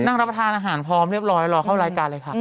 นั่งรับประทานอาหารพร้อมเรียบร้อยรอเข้ารายการเลยค่ะ